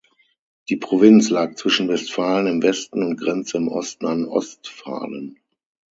Die Provinz lag zwischen Westfalen im Westen und grenzte im Osten an Ostfalen.